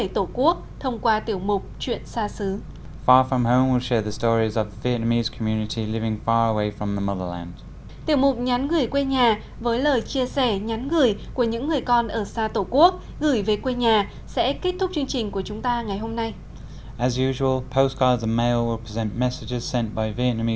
tiểu mục nhắn gửi quê nhà với lời chia sẻ nhắn gửi của những người con ở xa tổ quốc gửi về quê nhà sẽ kết thúc chương trình của chúng ta ngày hôm nay